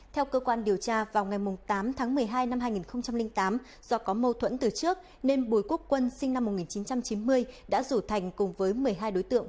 theo cơ quan điều tra vào ngày tám tháng một mươi hai năm hai nghìn tám do có mâu thuẫn từ trước nên bùi quốc quân sinh năm một nghìn chín trăm chín mươi đã rủ thành cùng với một mươi hai đối tượng